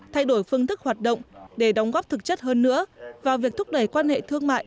thay đổi phương thức hoạt động để đóng góp thực chất hơn nữa vào việc thúc đẩy quan hệ thương mại